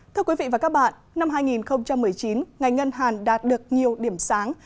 thưa quý vị và các bạn năm hai nghìn một mươi chín ngành ngân hàng đạt được nhiều điểm sáng